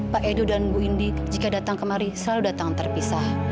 pak edo dan bu indi jika datang kemari selalu datang terpisah